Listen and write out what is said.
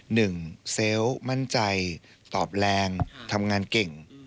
เซลล์มั่นใจตอบแรงทำงานเก่ง